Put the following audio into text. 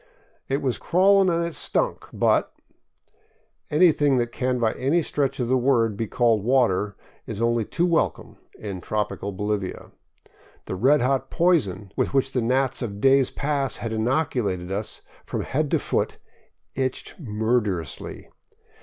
" It was crawlin' an' it stunk, but "— anything that can by any stretch of the word be called water is only too welcome in tropical Bolivia. The red hot poison with which the gnats of days past had inoculated us from head to foot itched murderously.